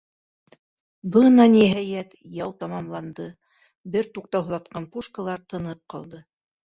Бына, ниһайәт, яу тамамланды, бер туҡтауһыҙ атҡан пушкалар тынып ҡалды.